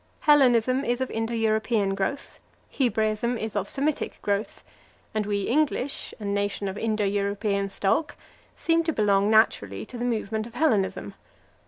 Hellenism is of Indo European growth, Hebraism is of Semitic growth; and we English, a nation of Indo European stock, seem to belong naturally to the movement of Hellenism.